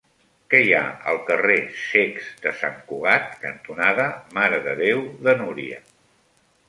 Què hi ha al carrer Cecs de Sant Cugat cantonada Mare de Déu de Núria?